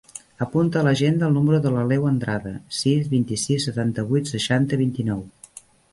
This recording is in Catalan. Apunta a l'agenda el número de l'Aleu Andrada: sis, vint-i-sis, setanta-vuit, seixanta, vint-i-nou.